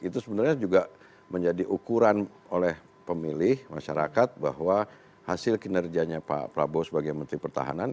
itu sebenarnya juga menjadi ukuran oleh pemilih masyarakat bahwa hasil kinerjanya pak prabowo sebagai menteri pertahanan